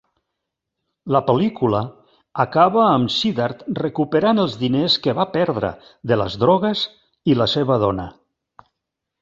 La pel·lícula acaba amb Siddharth recuperant els diners que va perdre de les drogues i la seva dona.